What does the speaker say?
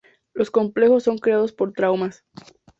Los complejos son creados por traumas.